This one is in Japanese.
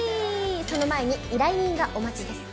その前に依頼人がお待ちです。